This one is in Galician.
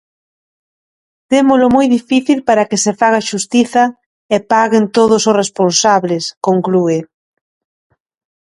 "Témolo moi difícil para que se faga xustiza e paguen todos os responsables", conclúe.